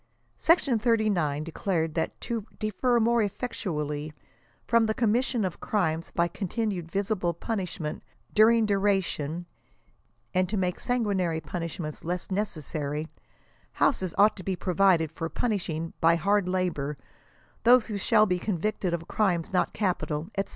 Section 39 declared, that " to deter more ef fectually from the commission of crimes by continued visible punishment oHong duration,* and to make sanguinary punish ments less necessary, houses ought to be provided for punishing by hard labor those who shall be convicted of crimes not capital," &c.